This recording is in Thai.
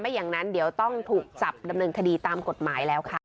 อย่างนั้นเดี๋ยวต้องถูกจับดำเนินคดีตามกฎหมายแล้วค่ะ